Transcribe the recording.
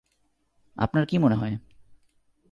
আপনার কি মনে হয়?